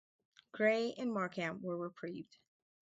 Grey and Markham were reprieved.